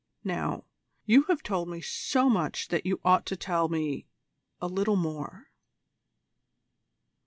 Now, you have told me so much that you ought to tell me a little more.